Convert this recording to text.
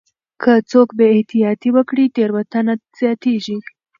که څوک بې احتياطي وکړي تېروتنه زياتيږي.